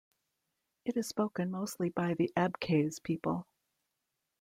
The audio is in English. It is spoken mostly by the Abkhaz people.